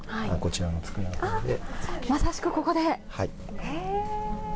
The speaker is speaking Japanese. まさしくここで、へえ。